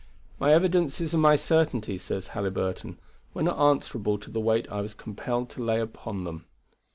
"My evidences and my certainty," says Halyburton, "were not answerable to the weight I was compelled to lay upon them."